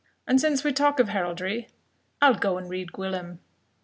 And since we talk of heraldry, I'll go and read Gwillym."